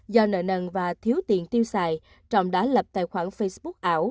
do nợ nần và thiếu tiền tiêu xài trọng đã lập tài khoản facebook ảo